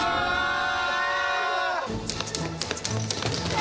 あ！